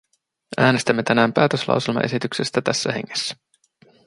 Äänestämme tänään päätöslauselmaesityksestä tässä hengessä.